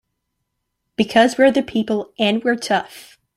Because we're the people and we're tough!